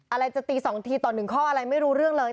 อะไรจะตี๒ทีต่อ๑ข้ออะไรไม่รู้เรื่องเลย